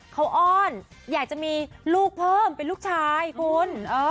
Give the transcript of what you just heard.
เขาอ้อนอยากจะมีลูกเพิ่มเป็นลูกชายคุณ